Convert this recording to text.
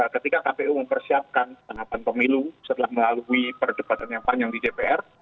ketika kpu mempersiapkan tahapan pemilu setelah melalui perdebatan yang panjang di dpr